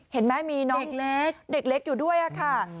เห็นไหมมีน้องเล็กเด็กเล็กอยู่ด้วยค่ะ